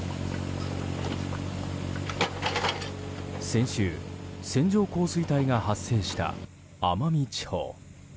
先週、線状降水帯が発生した奄美地方。